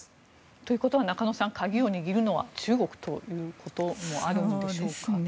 ということは、中野さん鍵を握るのは中国ということもあるんでしょうか。